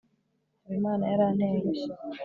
habimana yarantengushye